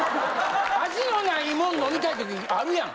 味のないもん飲みたい時あるやん。